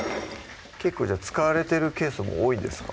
結構じゃあ使われてるケースも多いんですか？